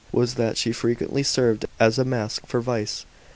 was that she frequently served as a mask for vice.